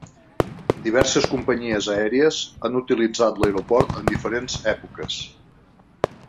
Diverses companyies aèries han utilitzat l'aeroport en diferents èpoques.